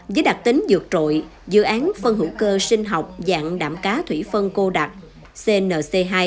với đặc tính dược trội dự án phân hữu cơ sinh học dạng đạm cá thủy phân cô đặc cnc hai